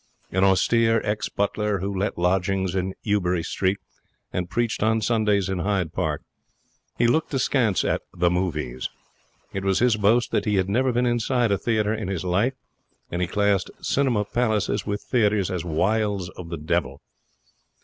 An austere ex butler, who let lodgings in Ebury Street and preached on Sundays in Hyde Park, he looked askance at the 'movies'. It was his boast that he had never been inside a theatre in his life, and he classed cinema palaces with theatres as wiles of the devil.